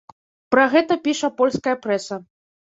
Пра гэта піша польская прэса.